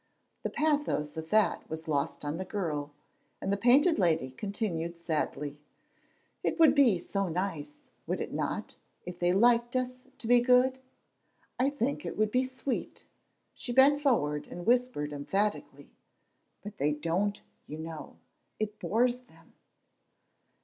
The pathos of that was lost on the girl, and the Painted Lady continued sadly: "It would be so nice, would it not, if they liked us to be good? I think it would be sweet." She bent forward and whispered emphatically, "But they don't, you know it bores them.